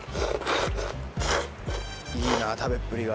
いいな食べっぷりが。